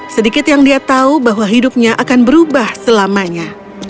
sedikit yang dia tahu bahwa hidupnya akan berubah selamanya